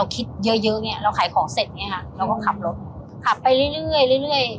ของเสร็จเนี้ยฮะเราก็ขับรถขับไปเรื่อยเรื่อยเรื่อยเรื่อย